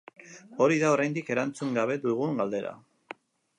Hori da oraindik erantzun gabe dugun galdera.